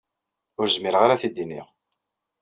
Ur zmireɣ ara ad t-id-iniɣ.